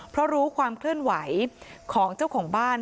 เพราะรู้ความเคลื่อนไหวของเจ้าของบ้าน